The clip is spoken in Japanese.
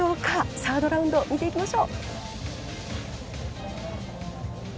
サードラウンド、見ていきましょう。